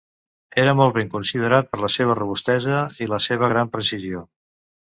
Era molt ben considerat per la seva robustesa i la seva gran precisió.